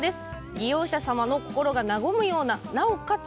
利用者さんの心が和むようななおかつ